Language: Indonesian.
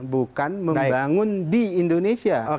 bukan membangun di indonesia